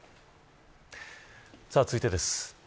続いてです。